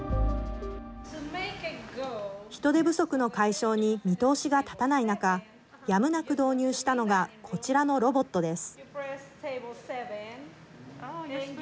人手不足の解消に見通しが立たない中やむなく導入したのがこちらのロボットです。